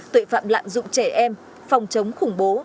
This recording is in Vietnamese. tội phạm lạm dụng trẻ em phòng chống khủng bố